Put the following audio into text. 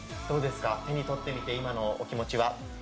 どうですか、手に取ってみて今のお気持ちは？